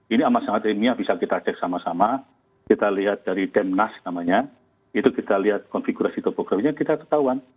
ini amat sangat ilmiah bisa kita cek sama sama kita lihat dari demnas namanya itu kita lihat konfigurasi topografinya kita ketahuan